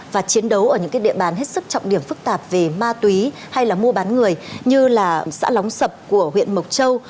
và chiến đấu ở những địa bàn hết sức trọng điểm phức tạp về ma túy hay là mua bán người như là xã lóng sập của huyện mộc châu